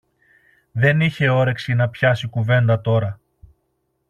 δεν είχε όρεξη να πιάσει κουβέντα τώρα